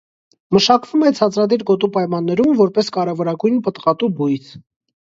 Մշակվում է ցածրադիր գոտու պայմաններում, որպես կարևորագույն պտղատու բույս։